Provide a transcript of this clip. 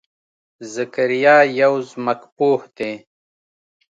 ذکریا یو ځمکپوه دی.